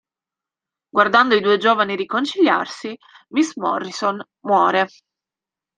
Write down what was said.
Guardando i due giovani riconciliarsi, Miss Morrison muore.